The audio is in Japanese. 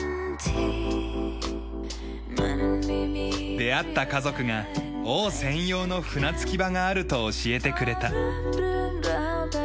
出会った家族が王専用の船着き場があると教えてくれた。